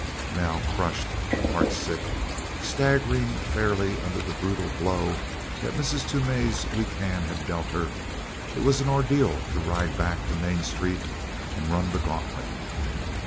Now, crushed, heartsick, staggering fairly under the brutal blow that Mrs. Toomey's weak hand had dealt her, it was an ordeal to ride back to Main Street and run the gauntlet.